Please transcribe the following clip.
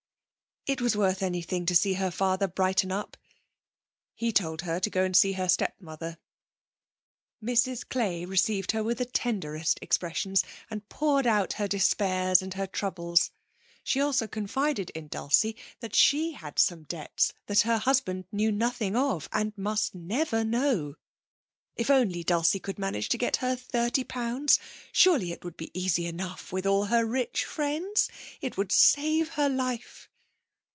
It was worth anything to see her father brighten up. He told her to go and see her stepmother. Mrs. Clay received her with the tenderest expressions and poured out her despairs and her troubles; she also confided in Dulcie that she had some debts that her husband knew nothing of and must never know. If only Dulcie could manage to get her thirty pounds surely it would be easy enough with all her rich friends! it would save her life.